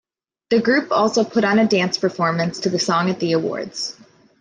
The group also put on a dance performance to the song at the awards.